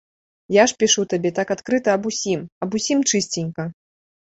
Я ж пішу табе так адкрыта аб усім, аб усім чысценька.